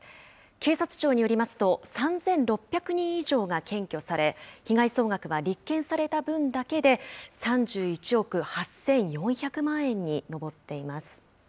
警察庁によりますと、３６００人以上が検挙され、被害総額は立件された分だけで、３１億８４００万円に上っています。